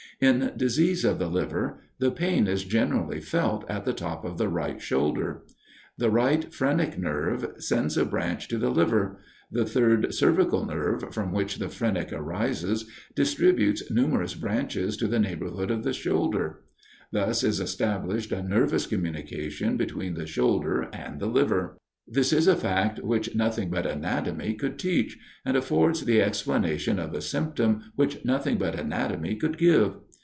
In disease of the liver, the pain is generally felt at the top of the right shoulder. The right phrenic nerve sends a branch to the liver: the third cervical nerve, from which the phrenic arises, distributes numerous branches to the neighborhood of the shoulder: thus is established a nervous communication between the shoulder and the liver. This is a fact which nothing but anatomy could teach, and affords the explanation of a symptom which nothing but anatomy could give.